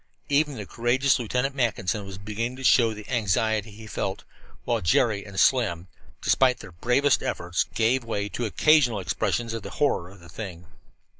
Even the courageous Lieutenant Mackinson was beginning to show the anxiety he felt, while Jerry and Slim, despite their bravest efforts, gave way to occasional expressions of the horror of the thing.